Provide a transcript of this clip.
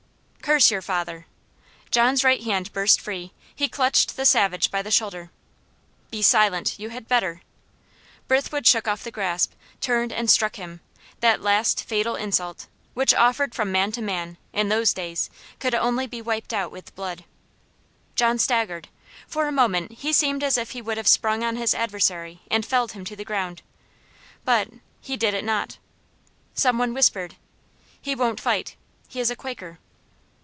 "Curse your father!" John's right hand burst free; he clutched the savage by the shoulder. "Be silent. You had better." Brithwood shook off the grasp, turned and struck him; that last fatal insult, which offered from man to man, in those days, could only be wiped out with blood. John staggered. For a moment he seemed as if he would have sprung on his adversary and felled him to the ground but he did it not. Some one whispered, "He won't fight. He is a Quaker."